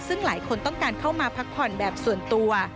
ซึ่งหลายคนต้องการเข้ามาพักผ่อนแบบส่วนตัว